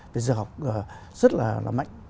về dược học rất là mạnh